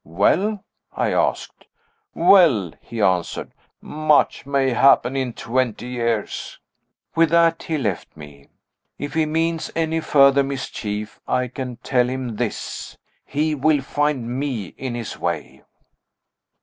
"Well?" I asked. "Well," he answered, "much may happen in twenty years!" With that he left me. If he means any further mischief, I can tell him this he will find Me in his way.